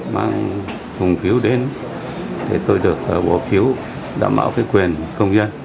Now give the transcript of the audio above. mang thùng phiếu đến để tôi được bỏ phiếu đảm bảo cái quyền công dân